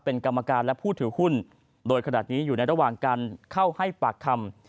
เป็นกรรมการและผู้ถือหุ้นโดยขนาดนี้อยู่ในระหว่างการเข้าให้ปากคำ